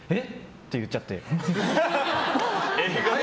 って言っちゃって。